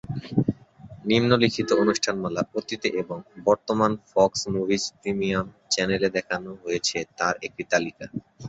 নিম্নলিখিত অনুষ্ঠানমালা অতীতে এবং বর্তমান ফক্স মুভিজ প্রিমিয়াম চ্যানেলে দেখানো হয়েছে তার একটি তালিকা।